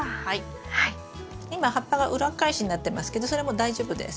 今葉っぱが裏っ返しになってますけどそれも大丈夫です。